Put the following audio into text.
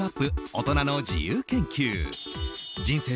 大人の自由研究人生